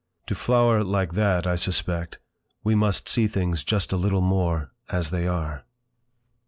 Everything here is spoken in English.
To flower like that, I suspect, we must see things just a little more—as they are!